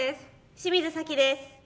清水沙希です。